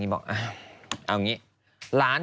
พิษปัชหลักคือหลาน